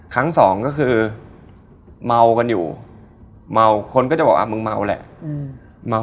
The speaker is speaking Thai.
ครั้งสองก็คือเมากันอยู่เมาคนก็จะบอกว่ามึงเมาแหละเมา